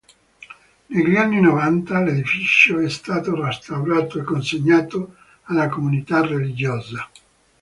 Negli anni Novanta l'edificio è stato restaurato e consegnato alla comunità religiosa.